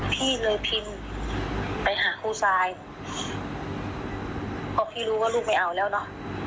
พี่เลยพิมพ์ไปหาครูซายเพราะพี่รู้ว่าลูกไม่เอาแล้วเนอะ